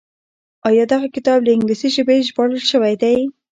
آيا دغه کتاب له انګليسي ژبې ژباړل شوی دی؟